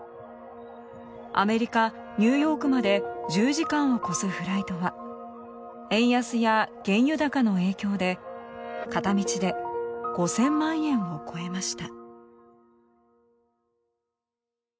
アメリカニューヨークまで１０時間を超すフライトは円安や原油高の影響で片道で５０００万円を超えました。